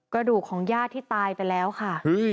กระดูกของญาติที่ตายไปแล้วค่ะ